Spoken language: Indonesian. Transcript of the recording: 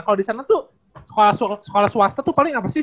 kalau di sana tuh sekolah swasta tuh paling apa sih